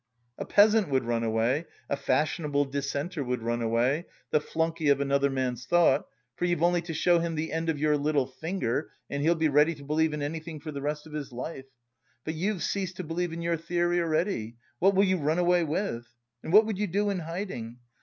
A peasant would run away, a fashionable dissenter would run away, the flunkey of another man's thought, for you've only to show him the end of your little finger and he'll be ready to believe in anything for the rest of his life. But you've ceased to believe in your theory already, what will you run away with? And what would you do in hiding?